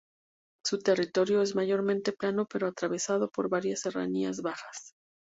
Su territorio es mayormente plano pero atravesado por varias serranías bajas.